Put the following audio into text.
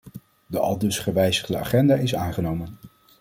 De aldus gewijzigde agenda is aangenomen.